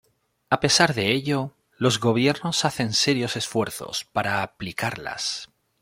A pesar de ello, los gobiernos hacen serios esfuerzos para aplicarlas.